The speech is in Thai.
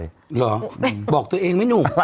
หรอบอกตัวเองไหมหนู